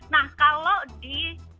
nah kalau di